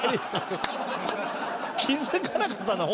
気づかなかったの！？